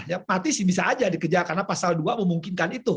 ya pati sih bisa aja dikejar karena pasal dua memungkinkan itu